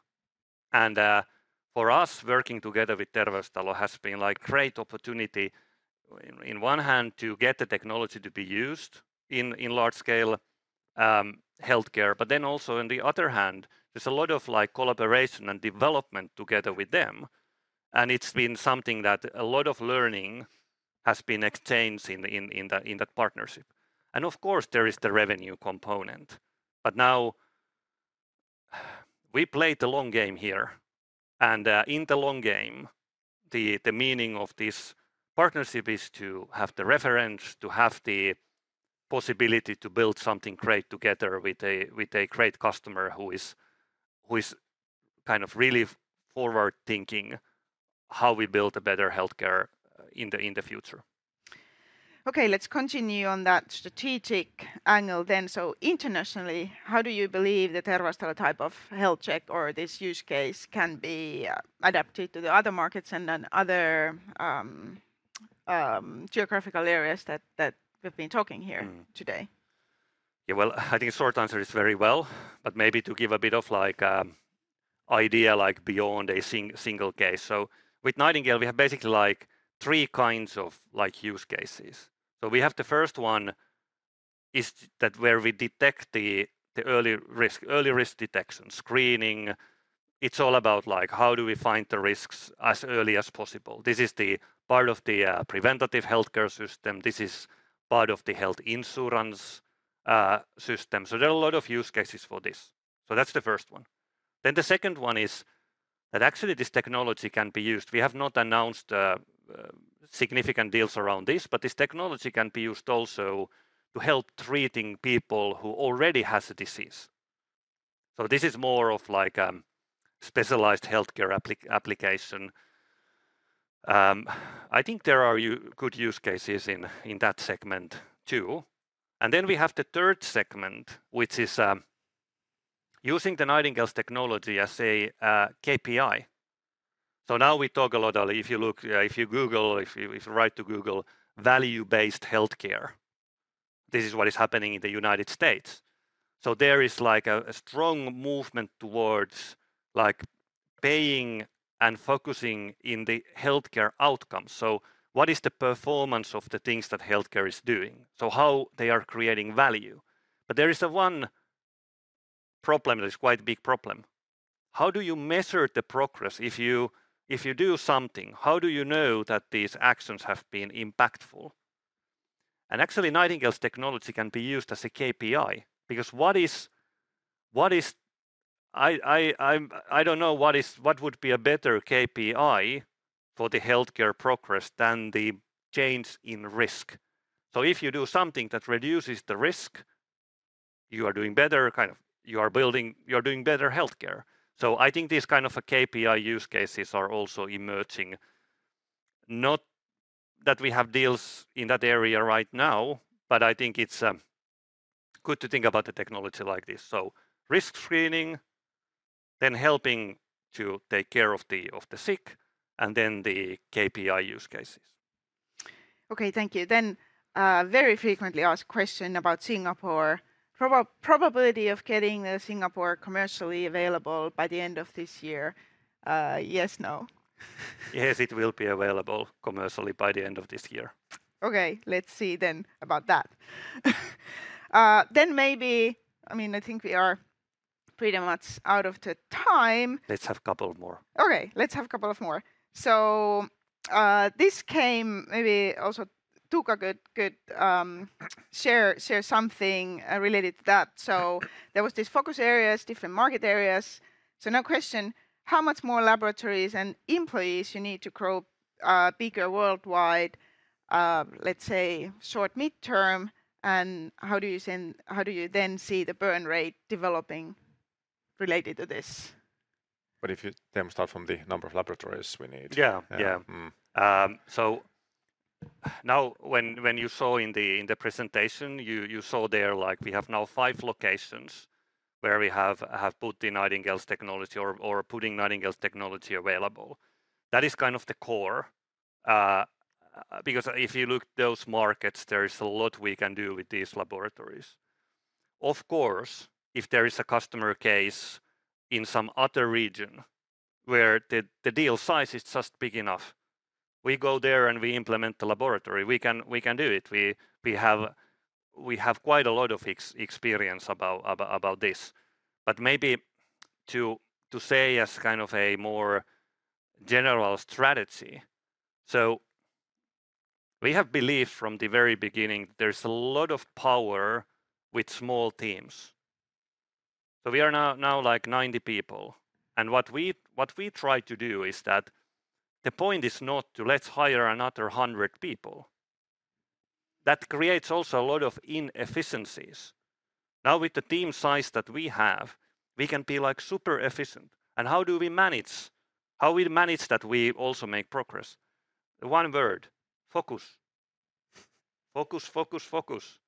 And for us, working together with Terveystalo has been like great opportunity, in one hand to get the technology to be used in large scale healthcare. But then also in the other hand, there's a lot of like collaboration and development together with them, and it's been something that a lot of learning has been exchanged in that partnership. And of course, there is the revenue component. But now, we play the long game here, and in the long game, the meaning of this partnership is to have the reference, to have the possibility to build something great together with a great customer who is kind of really forward-thinking how we build a better healthcare in the future. Okay, let's continue on that strategic angle then. So internationally, how do you believe the Terveystalo type of health check or this use case can be adapted to the other markets and then other geographical areas that we've been talking here? Mm... today? Yeah, well, I think the short answer is very well, but maybe to give a bit of like, idea, like beyond a single case. So with Nightingale, we have basically like three kinds of, like, use cases. So we have the first one is that where we detect the early risk, early risk detection, screening. It's all about, like, how do we find the risks as early as possible? This is the part of the preventative healthcare system. This is part of the health insurance system. So there are a lot of use cases for this. So that's the first one. Then the second one is that actually this technology can be used... We have not announced significant deals around this, but this technology can be used also to help treating people who already has the disease. So this is more of like specialized healthcare application. I think there are good use cases in that segment, too. And then we have the third segment, which is using the Nightingale's technology as a KPI. So now we talk a lot about if you look, if you write to Google: "value-based healthcare," this is what is happening in the United States. So there is like a strong movement towards like paying and focusing in the healthcare outcome. So what is the performance of the things that healthcare is doing? So how they are creating value. But there is one problem that is quite a big problem: How do you measure the progress? If you do something, how do you know that these actions have been impactful? Actually, Nightingale's technology can be used as a KPI. Because what would be a better KPI for the healthcare progress than the change in risk? So if you do something that reduces the risk, you are doing better, kind of, you are doing better healthcare. So I think these kind of a KPI use cases are also emerging. Not that we have deals in that area right now, but I think it's good to think about the technology like this. So risk screening, then helping to take care of the sick, and then the KPI use cases. Okay, thank you. Then, very frequently asked question about Singapore. Probability of getting the Singapore commercially available by the end of this year, yes, no? Yes, it will be available commercially by the end of this year. Okay, let's see then about that. Then maybe, I mean, I think we are pretty much out of the time. Let's have a couple more. Okay, let's have a couple of more. So, this came maybe also Tuukka could share something related to that. So there was this focus areas, different market areas. So now question: How much more laboratories and employees you need to grow bigger worldwide, let's say, short midterm? And how do you then see the burn rate developing related to this? But if you then start from the number of laboratories we need? Yeah, yeah. Yeah. Mm. So now when you saw in the presentation, you saw there, like, we have now five locations, where we have put the Nightingale's technology or putting Nightingale's technology available. That is kind of the core, because if you look those markets, there is a lot we can do with these laboratories. Of course, if there is a customer case in some other region where the deal size is just big enough, we go there and we implement the laboratory. We can do it. We have quite a lot of experience about this. But maybe to say as kind of a more general strategy, so we have believed from the very beginning there's a lot of power with small teams. We are now like 90 people, and what we try to do is that the point is not to let's hire another hundred people. That creates also a lot of inefficiencies. Now, with the team size that we have, we can be like super efficient. And how do we manage? How we manage that we also make progress? One word: Focus. Focus, focus, focus.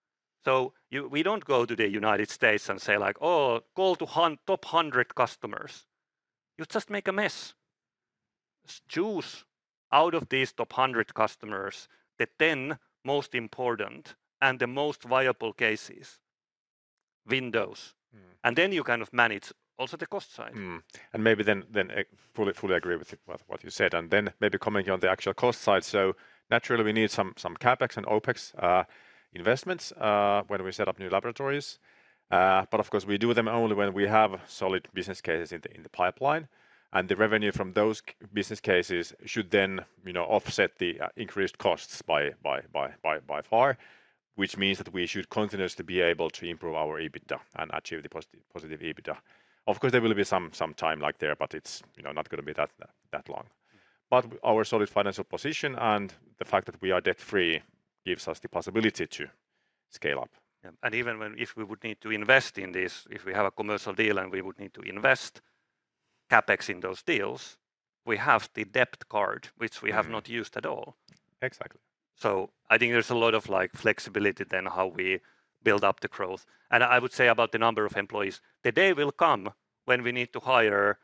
So we don't go to the United States and say like "Oh, call to top hundred customers." You'll just make a mess. Choose out of these top hundred customers the 10 most important and the most viable cases. Windows. Mm. And then you kind of manage also the cost side. And maybe then fully agree with you with what you said, and then maybe commenting on the actual cost side. So naturally, we need some CapEx and OpEx investments when we set up new laboratories. But of course, we do them only when we have solid business cases in the pipeline. And the revenue from those business cases should then, you know, offset the increased costs by far, which means that we should continuously be able to improve our EBITDA and achieve the positive EBITDA. Of course, there will be some time, but it's, you know, not gonna be that long. But our solid financial position and the fact that we are debt-free gives us the possibility to scale up. If we would need to invest in this, if we have a commercial deal and we would need to invest CapEx in those deals, we have the debt card, which we have- Mm... not used at all. Exactly. I think there's a lot of, like, flexibility then how we build up the growth. I would say about the number of employees, the day will come when we need to hire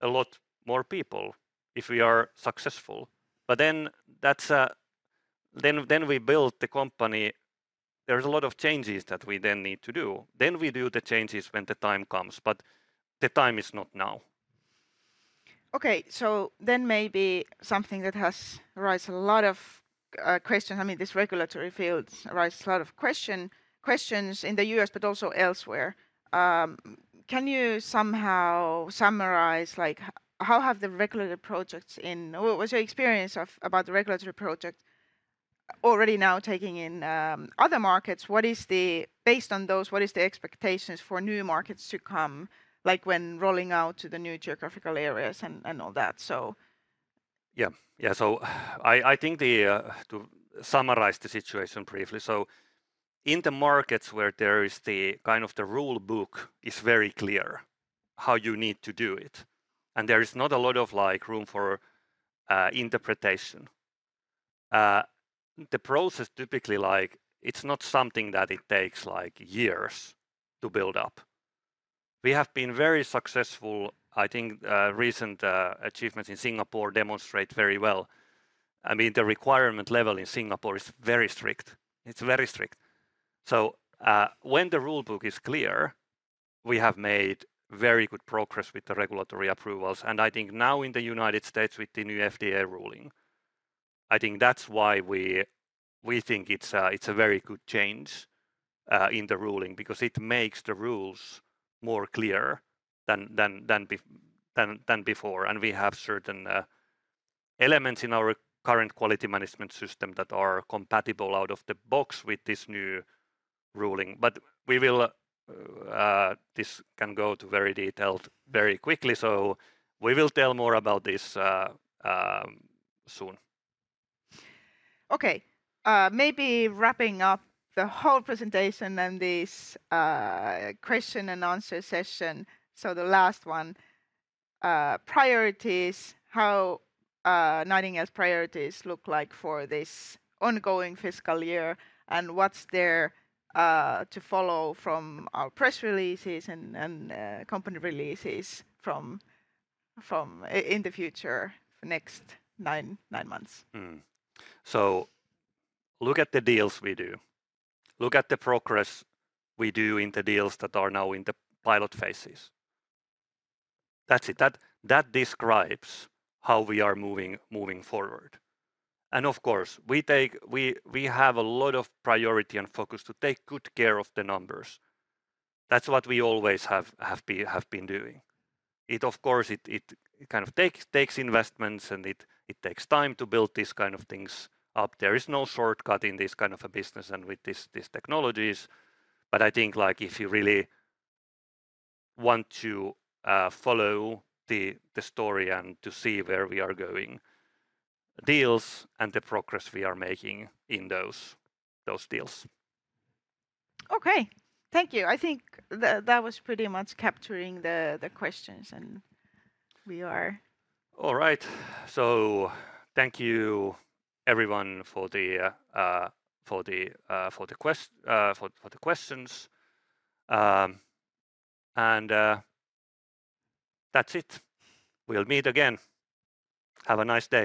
a lot more people if we are successful, but then that's, then we build the company. There's a lot of changes that we then need to do. We do the changes when the time comes, but the time is not now. Okay, so then maybe something that has raised a lot of questions. I mean, this regulatory field raises a lot of questions in the U.S., but also elsewhere. Can you somehow summarize, like, how have the regulatory projects in... What was your experience of, about the regulatory project already now taking in other markets? What is the... Based on those, what is the expectations for new markets to come, like, when rolling out to the new geographical areas and all that, so? Yeah. Yeah, so I think the, to summarize the situation briefly, so in the markets where there is the, kind of the rule book is very clear how you need to do it, and there is not a lot of, like, room for, interpretation, the process typically, like, it's not something that it takes, like, years to build up. We have been very successful. I think, recent, achievements in Singapore demonstrate very well. I mean, the requirement level in Singapore is very strict. It's very strict. When the rule book is clear, we have made very good progress with the regulatory approvals, and I think now in the United States, with the new FDA ruling, I think that's why we think it's a very good change in the ruling because it makes the rules more clear than before, and we have certain elements in our current quality management system that are compatible out of the box with this new ruling, but this can go to very detailed very quickly, so we will tell more about this soon. Okay, maybe wrapping up the whole presentation and this question and answer session, so the last one: priorities, how Nightingale's priorities look like for this ongoing fiscal year, and what's there to follow from our press releases and company releases from in the future for next nine months? So look at the deals we do. Look at the progress we do in the deals that are now in the pilot phases. That's it. That describes how we are moving forward. And of course, we take. We have a lot of priority and focus to take good care of the numbers. That's what we always have been doing. It of course kind of takes investments, and it takes time to build these kind of things up. There is no shortcut in this kind of a business and with these technologies. But I think, like, if you really want to follow the story and to see where we are going, deals and the progress we are making in those deals. Okay. Thank you. I think that was pretty much capturing the questions, and we are- All right, so thank you, everyone, for the questions. That's it. We'll meet again. Have a nice day!